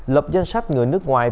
lập danh sách người nước ngoài